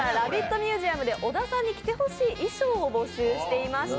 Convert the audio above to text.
ミュージアムで小田さんに着て欲しい衣装を募集していました。